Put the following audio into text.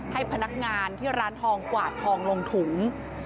ให้พนักงานที่ร้านทองกวาดทองลงถุง